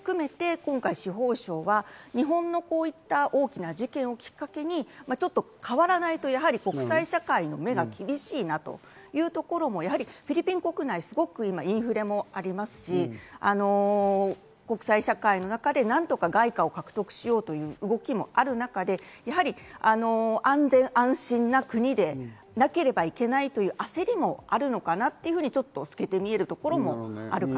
今回、司法省は日本のこういった大きな事件をきっかけに変わらないと国際社会の目が厳しいなというところも、フィリピン国内、すごく今インフレもありますし、国際社会の中で何とか外貨を獲得しようという動きもある中で、安全安心な国でなければいけないという焦りもあるのかなと、ちょっと透けて見えるところもあります。